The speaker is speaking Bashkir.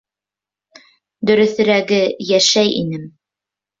Дөрөҫөрәге, йәшәй инем...